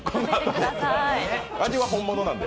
味は本物なんで。